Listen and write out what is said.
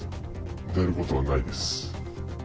出会えることはないです。